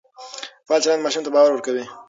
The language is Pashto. فعال چلند ماشوم ته باور ورکوي.